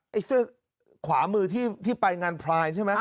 ไอ้เสื้อขวามือที่ไปงานพลายใช่ไหม